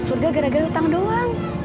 surga gara gara utang doang